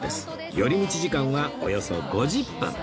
寄り道時間はおよそ５０分